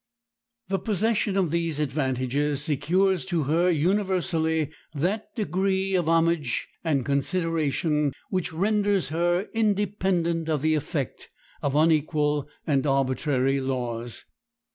The possession of these advantages secures to her universally that degree of homage and consideration which renders her independent of the effect of unequal and arbitrary laws.